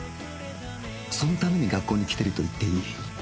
そのために学校に来ていると言っていい